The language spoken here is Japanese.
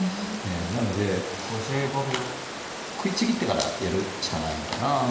なので食いちぎってからやるしかないのかな。